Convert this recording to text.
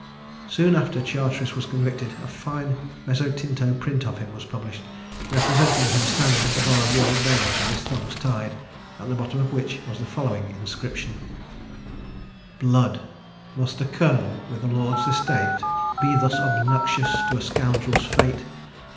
Soon after Charteris was convicted, a fine mezzotinto print of him was published, representing him standing at the bar of the Old Bailey with his thumbs tied; at the bottom of which was the following inscription: Blood! must a colonel, with a lord's estate, Be thus obnoxious to a scoundrel's fate?